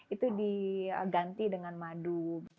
itu diganti dengan madu